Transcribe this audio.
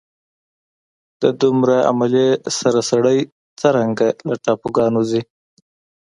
د دومره عملې سره سړی څرنګه له ټاپوګانو ځي.